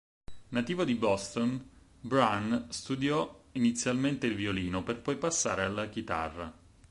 Nativo di Boston, Brann studiò inizialmente il violino per poi passare alla chitarra.